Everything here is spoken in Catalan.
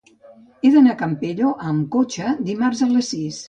He d'anar al Campello amb cotxe dimarts a les sis.